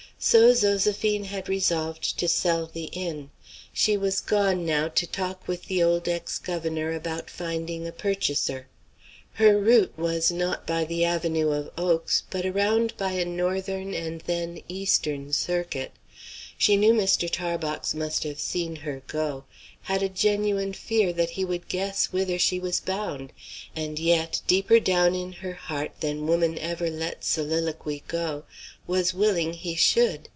So Zoséphine had resolved to sell the inn. She was gone, now, to talk with the old ex governor about finding a purchaser. Her route was not by the avenue of oaks, but around by a northern and then eastern circuit. She knew Mr. Tarbox must have seen her go; had a genuine fear that he would guess whither she was bound, and yet, deeper down in her heart than woman ever lets soliloquy go, was willing he should.